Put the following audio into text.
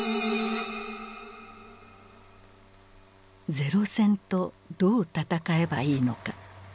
零戦とどう戦えばいいのか。